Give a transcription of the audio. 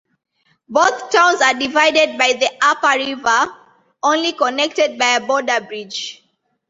Both towns are divided by the Apa River, only connected by a borderbridge.